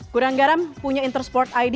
gudang garam pun ini